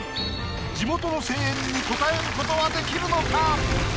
地元の声援に応えることはできるのか？